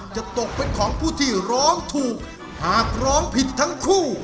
จะตกเป็นของผู้ที่ร้องถูกหากร้องผิดทั้งคู่